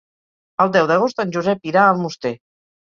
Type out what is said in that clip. El deu d'agost en Josep irà a Almoster.